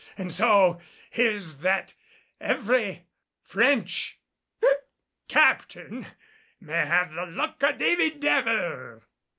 An' so, here's that every French hic captain may have the luck of Davy Devil!"